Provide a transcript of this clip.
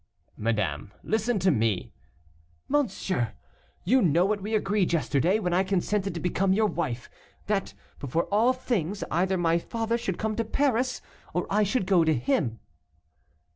"Madame, listen to me " "Monsieur, you know what we agreed yesterday, when I consented to become your wife, that, before all things, either my father should come to Paris, or I should go to him."